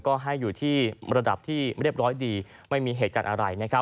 ก็ให้อยู่ที่ระดับที่เรียบร้อยดีไม่มีเหตุการณ์อะไรนะครับ